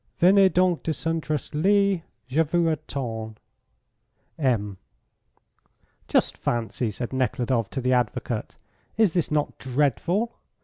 Venez donc disinterestedly. Je vous attends._ M. "Just fancy!" said Nekhludoff to the advocate. "Is this not dreadful?